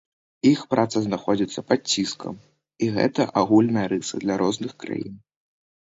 Іх праца знаходзіцца пад ціскам, і гэта агульная рыса для розных краін.